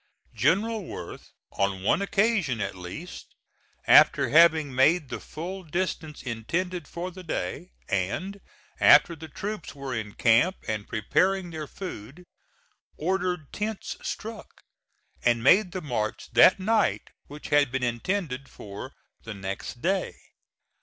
General Worth on one occasion at least, after having made the full distance intended for the day, and after the troops were in camp and preparing their food, ordered tents struck and made the march that night which had been intended for the next day.